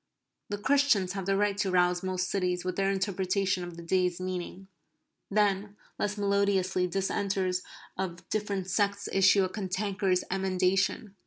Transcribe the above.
The Christians have the right to rouse most cities with their interpretation of the day's meaning. Then, less melodiously, dissenters of different sects issue a cantankerous emendation.